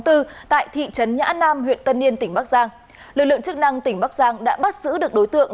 tại thị trấn nhã nam huyện tân yên tỉnh bắc giang lực lượng chức năng tỉnh bắc giang đã bắt giữ được đối tượng